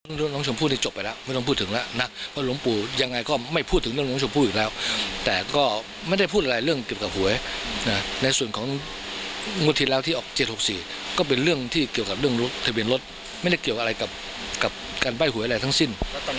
เรื่องน้องชมพู่นี่จบไปแล้วไม่ต้องพูดถึงแล้วนะเพราะหลวงปู่ยังไงก็ไม่พูดถึงเรื่องน้องชมพู่อีกแล้วแต่ก็ไม่ได้พูดอะไรเรื่องเกี่ยวกับหวยนะในส่วนของงวดที่แล้วที่ออก๗๖๔ก็เป็นเรื่องที่เกี่ยวกับเรื่องรถทะเบียนรถไม่ได้เกี่ยวอะไรกับการใบ้หวยอะไรทั้งสิ้น